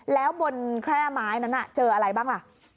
แล้วบนแคร่ไม้นั้นเจออะไรบ้างล่ะ